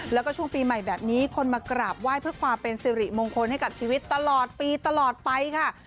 แล้วก็ช่วงปีใหม่แบบนี้คนมากราบไหว้เพื่อความเป็นสิริมงคลให้กับชีวิตตลอดปีตลอดไปค่ะ